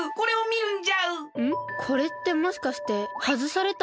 これってもしかしてはずされたあと？